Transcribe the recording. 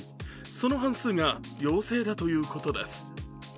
その半数が陽性だということです。